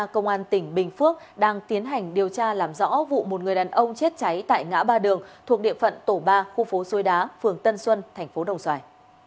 cơ quan tỉnh bình phước đang tiến hành điều tra làm rõ vụ một người đàn ông chết cháy tại ngã ba đường thuộc địa phận tổ ba khu phố xôi đá phường tân xuân tp đồng xoài